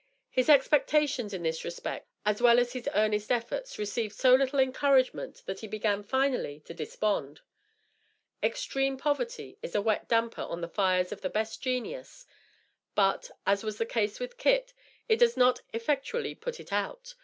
His expectations in this respect, as well as his earnest efforts, received so little encouragement that he began, finally, to despond. Extreme poverty is a wet damper on the fires of the best genius; but, as was the case with Kit, it does not effectually put it out.